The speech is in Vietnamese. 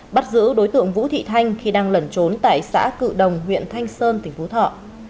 bắt giữ đối tượng vũ thị thanh khi đang lẩn trốn tại xã cự đồng huyện thanh sơn tỉnh phú thọ